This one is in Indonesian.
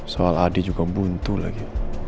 soal adik juga buntu lagi